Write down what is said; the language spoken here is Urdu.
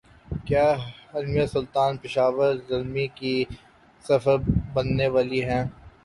کیا حلیمہ سلطان پشاور زلمی کی سفیر بننے والی ہیں